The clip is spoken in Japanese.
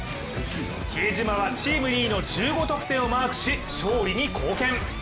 比江島はチーム２位の１５得点をマークし、勝利に貢献。